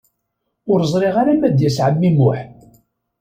Ur ẓriɣ ara ma d-yas ɛemmi Muḥ.